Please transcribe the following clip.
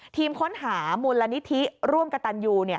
ทีมค้นหามูลนิธิร่วมกระตันยู